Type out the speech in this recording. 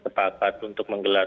sepakat untuk menggelar